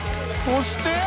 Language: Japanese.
そして！